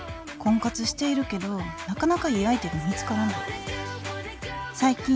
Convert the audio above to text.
婚活しているけどなかなかいい相手が見つからない。